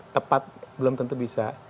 tepat belum tentu bisa